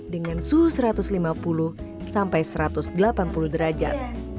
dengan suhu satu ratus lima puluh sampai satu ratus delapan puluh derajat